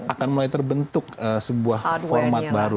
akan mulai terbentuk sebuah format baru